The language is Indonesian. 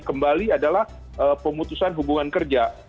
jadi kembali adalah pemutusan hubungan kerja